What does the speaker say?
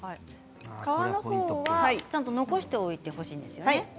皮の方はちゃんと残しておいてほしいんですよね。